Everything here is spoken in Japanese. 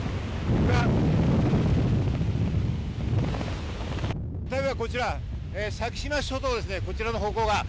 こちら先島諸島です、こちらの方向が。